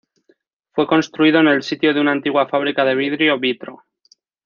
Fue construido en el sitio de una antigua fábrica de vidrio Vitro.